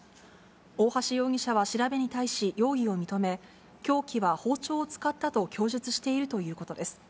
大橋容疑者は調べに対し、容疑を認め、凶器は包丁を使ったと供述しているということです。